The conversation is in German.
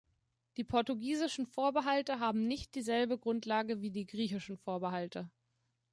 Die portugiesischen Vorbehalte haben nicht dieselbe Grundlage wie die griechischen Vorbehalte.